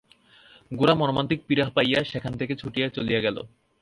গোরা মর্মান্তিক পীড়া পাইয়া সেখান হইতে ছুটিয়া চলিয়া গেল।